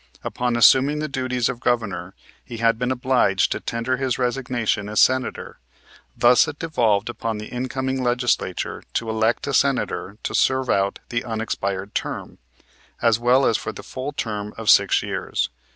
Upon assuming the duties of Governor he had been obliged to tender his resignation as Senator; thus it devolved upon the incoming legislature to elect a Senator to serve out the unexpired term, as well as for the full term of six years.